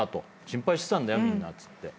「心配してたんだよみんな」って。